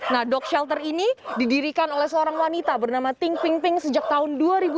nah dok shelter ini didirikan oleh seorang wanita bernama ting ping ping sejak tahun dua ribu dua belas